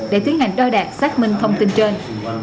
để tiến hành đo đạt xác minh thông tin trên